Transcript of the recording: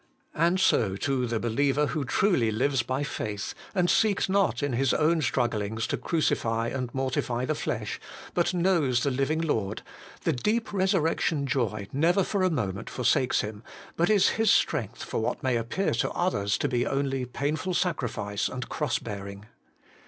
And so, to the believer who truly lives by faith, and seeks not in his own stragglings to crucify and mortify the flesh, but knows the living Lord, the deep resurrec tion joy never for a moment forsakes Him, but is his strength for what may appear to others to be only painful sacrifice and cross bearing.